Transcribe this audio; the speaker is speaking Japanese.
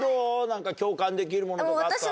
何か共感できるものとかあった？